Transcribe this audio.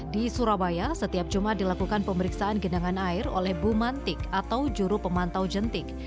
di surabaya setiap jumat dilakukan pemeriksaan genangan air oleh bumantik atau juru pemantau jentik